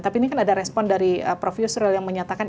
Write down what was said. tapi ini kan ada respon dari prof yusril yang menyatakan